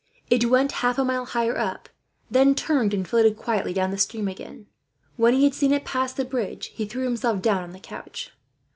It went half a mile higher up, then turned and floated quietly down the stream again. When he had seen it pass the bridge, he threw himself down on the couch.